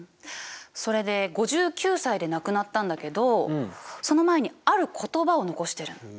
それで５９歳で亡くなったんだけどその前にある言葉を残してる。